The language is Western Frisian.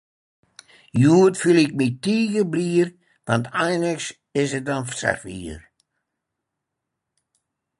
Hjoed fiel ik my tige blier, want einlings is it dan safier!